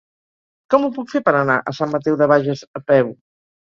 Com ho puc fer per anar a Sant Mateu de Bages a peu?